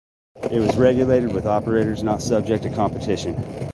It was regulated with operators not subject to competition.